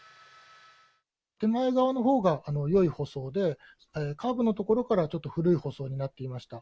手前側のほうがよい舗装で、カーブの所から、ちょっと古い舗装になっていました。